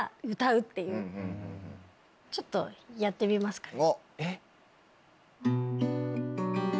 ちょっとやってみますかね。